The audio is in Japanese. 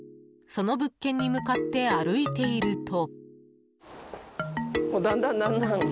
その物件に向かって歩いていると。